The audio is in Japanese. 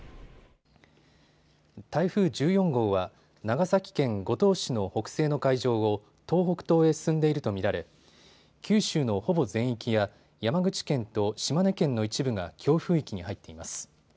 台風１４号は長崎県五島市の北西の海上を東北東へ進んでいると見られ、九州のほぼ全域や、山口県と島根県の一部が強風域に入っています。